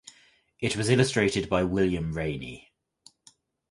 It was illustrated by William Rainey.